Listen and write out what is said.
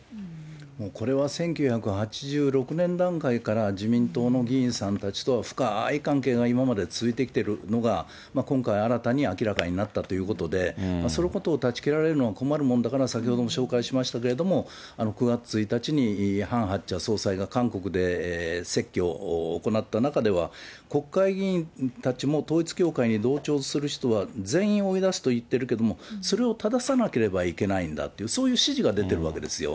もうこれは１９８６年段階から、自民党の議員さんたちと深い関係が今まで続いてきてるのが、今回新たに明らかになったということで、そのことを断ち切られるのは困るもんだから、先ほども紹介しましたけれども、９月１日にハン・ハクチャ総裁が韓国で説教を行った中では、国会議員たちも統一教会の同調する人は全員追い出すと言ってるけれども、それをたださなければいけないんだっていう、そういう指示が出てるわけですよ。